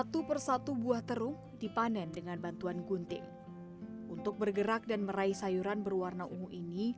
satu persatu buah terung dipanen dengan bantuan gunting untuk bergerak dan meraih sayuran berwarna ungu ini